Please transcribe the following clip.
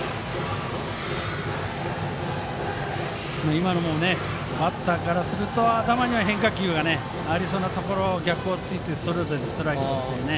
今のもバッターからすると頭には変化球がありそうなところ逆を突いてストレートでストライクとったり。